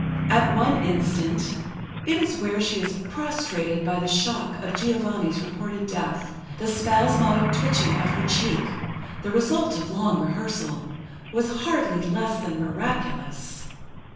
At one instant—it is where she is prostrated by the shock of Giovanni's reported death—the spasmodic twitching of her cheek—the result of long rehearsal—was hardly less than miraculous.